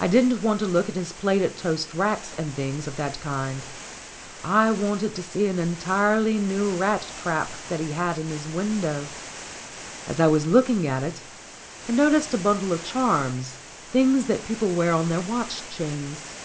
I didn't want to look at his plated toast racks and things of that kind. I wanted to see an entirely new rat trap that he had in his window. As I was looking at it, I noticed a bundle of charms, things that people wear on their watch chains.